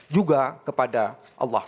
juga kepada allah swt